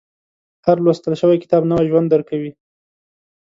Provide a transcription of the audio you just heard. • هر لوستل شوی کتاب، نوی ژوند درکوي.